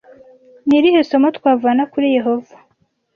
Ni rihe somo twavana kuri Yehova